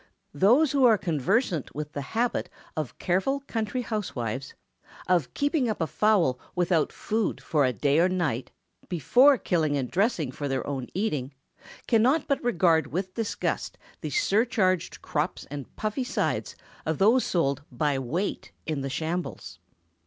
Those who are conversant with the habit of careful country housewives, of keeping up a fowl without food for a day and night before killing and dressing for their own eating, cannot but regard with disgust the surcharged crops and puffy sides of those sold by weight in the shambles.